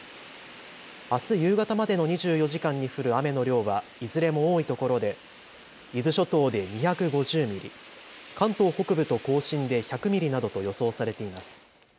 あす夕方までの２４時間に降る雨の量はいずれも多いところで伊豆諸島で２５０ミリ、関東北部と甲信で１００ミリなどと予想されています。